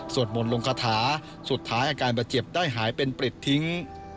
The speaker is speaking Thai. มนต์ลงคาถาสุดท้ายอาการบาดเจ็บได้หายเป็นปริดทิ้ง